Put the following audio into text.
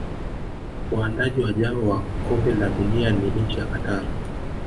waandaaji wajao wa kombe la dunia ni nchi ya Qatar